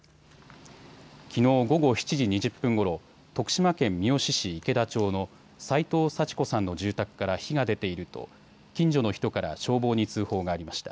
きのう午後７時２０分ごろ、徳島県三好市池田町の齋藤幸子さんの住宅から火が出ていると近所の人から消防に通報がありました。